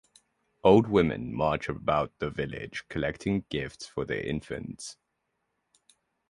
Old women march about the village collecting gifts for the infants.